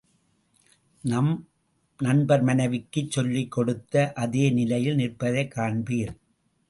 நாம் நண்பர் மனைவிக்குச் சொல்லிக் கொடுத்த அதே நிலையில் நிற்பதைக் காண்பீர்கள்.